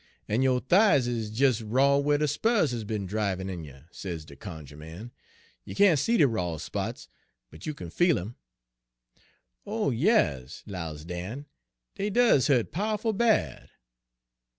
" 'En yo' thighs is des raw whar de spurrers has be'n driv' in you,' sez de cunjuh man. 'You can't see de raw spots, but you kin feel 'em.' " 'Oh, yas,' 'lows Dan, 'dey does hu't pow'ful bad.'